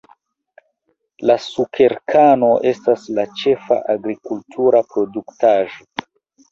La sukerkano estas la ĉefa agrikultura produktaĵo.